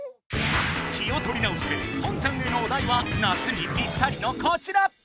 気をとり直してポンちゃんへのおだいは夏にぴったりのこちら！